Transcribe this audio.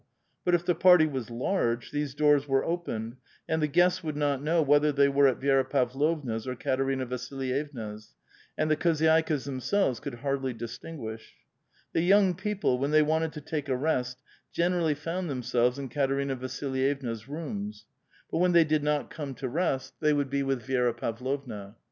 But if the party was large, these doors were opened, and the guests would not know whether they were at Vi^ra Pavlovua*s or Katerina Vasilyevna's ; and the khozydikas themselves could hardly distinguish. The young people, when they wanted to take a' rest, senerallv found themselves in Katerina Vasilvevna's rooms ; but when they d\d ixot. come to rest, they would be A VITAL QUESTION. 447 witli Vi6ra Parlovna.